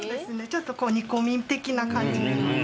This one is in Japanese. ちょっと煮込み的な感じ。